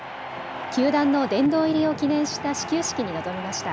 球団の殿堂入りを記念した始球式に臨みました。